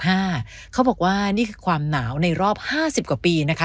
เขาบอกว่านี่คือความหนาวในรอบ๕๐กว่าปีนะคะ